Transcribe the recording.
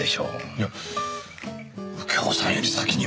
いや右京さんより先には。